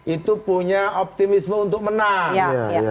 itu punya optimisme untuk menang